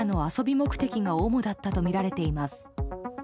目的が主だったとみられています。